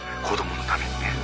子供のためにね。